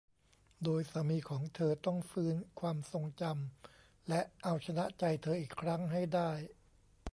โดยสามีของเธอต้องฟื้นความทรงจำและเอาชนะใจเธออีกครั้งให้ได้